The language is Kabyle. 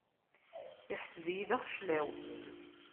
Iḥseb-iyi d axeclaw.